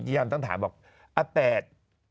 จียอนต้องถามบอกอเปด